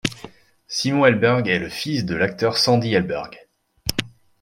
Simon Helberg est le fils de l'acteur Sandy Helberg.